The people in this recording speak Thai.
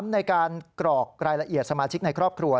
ในการกรอกรายละเอียดสมาชิกในครอบครัว